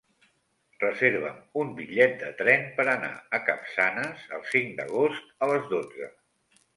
Reserva'm un bitllet de tren per anar a Capçanes el cinc d'agost a les dotze.